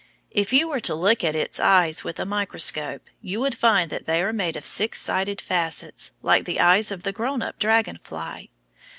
If you were to look at its eyes with a microscope, you would find that they are made of six sided facets, like the eyes of the grown up dragon fly.